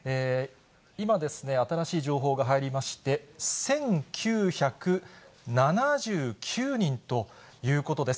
今、新しい情報が入りまして、１９７９人ということです。